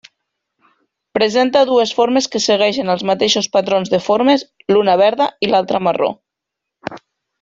Presenta dues formes que segueixen els mateixos patrons de formes, l'una verda i l'altra marró.